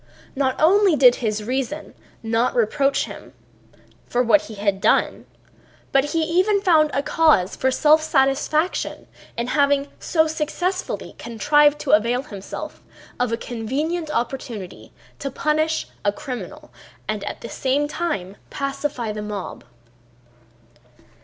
Not only did his reason not reproach him for what he had done, but he even found cause for self satisfaction in having so successfully contrived to avail himself of a convenient opportunity to punish a criminal and at the same time pacify the mob.